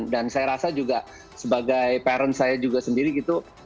dan saya rasa juga sebagai parents saya juga sendiri gitu